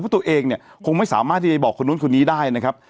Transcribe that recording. เพราะตัวเองเนี่ยคงไม่สามารถที่จะไปบอกคนนู้นคนนี้ได้นะครับ